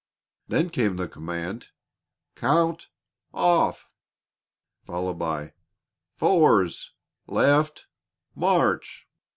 Then came the command, "Count off!" followed by, "Fours left march!"